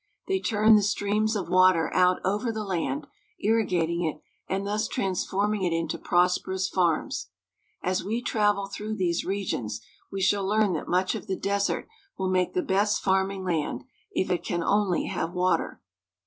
They turned the streams of water out over the land, irrigating it, and thus transforming it into prosperous farms. As we travel through these regions, we shall learn that much of the desert will make the best farming land if it can only have water.